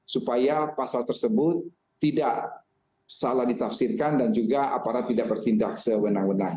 supaya pasal tersebut tidak salah ditafsirkan dan juga aparat tidak bertindak sewenang wenang